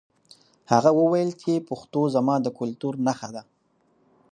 هغه وویل چې پښتو زما د کلتور نښه ده.